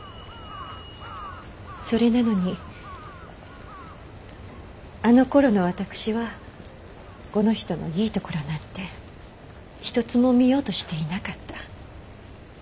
それなのにあのころの私はこの人のいいところなんて一つも見ようとしていなかった。